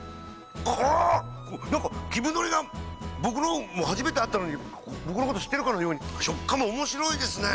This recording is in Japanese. なんか木生海苔が僕のほうも初めて会ったのに僕のこと知ってるかのように食感もおもしろいですね。